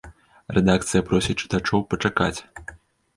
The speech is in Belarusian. Рэдакцыя просіць чытачоў пачакаць.